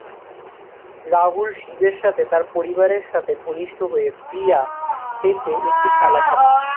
রাহুল শিবের সাথে তার পরিবারের সাথে ঘনিষ্ঠ হয়ে প্রিয়া পেতে একটি খেলা খেলেন।